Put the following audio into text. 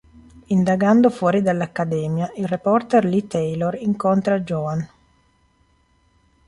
Indagando fuori dell'accademia, il reporter Lee Taylor incontra Joan.